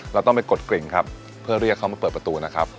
เราต้องไปกดกริ่งครับเพื่อเรียกเขามาเปิดประตูนะครับ